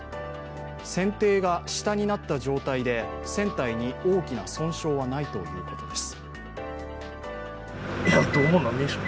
船底が下になった状態で船体に大きな損傷はないということです。